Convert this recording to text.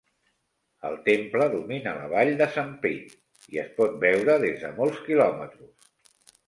El temple domina la vall de Sanpete, i es pot veure des de molts quilòmetres.